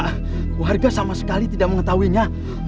kelarga sama sekali tidak mengetahuinya